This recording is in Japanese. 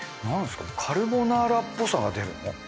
なんですかカルボナーラっぽさが出るの？